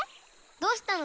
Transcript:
どうしたの？